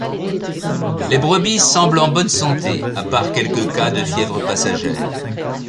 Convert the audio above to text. Les brebis semblent en bonne santé, à part quelques cas de fièvre passagère.